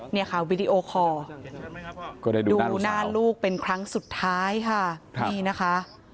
เนี่ยค่ะวิดีโอคอร์ก็ได้ดูหน้าลูกเป็นครั้งสุดท้ายค่ะนี่นะคะ